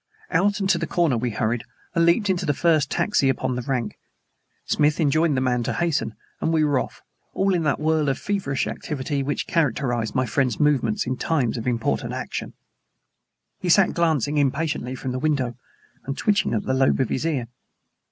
Out and to the corner we hurried, and leaped into the first taxi upon the rank. Smith enjoined the man to hasten, and we were off all in that whirl of feverish activity which characterized my friend's movements in times of important action. He sat glancing impatiently from the window and twitching at the lobe of his ear.